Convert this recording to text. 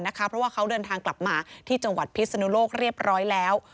เพราะว่าเขาเดินทางกลับมาที่จังหวัดพิศนุโลกเรียบร้อยแล้ว